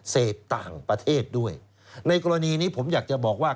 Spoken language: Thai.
เสพต่างประเทศด้วยในกรณีนี้ผมอยากจะบอกว่า